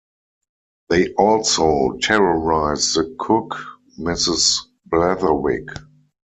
They also terrorize the cook, Mrs. Blatherwick.